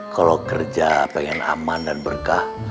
kalau kerja pengen aman dan berkah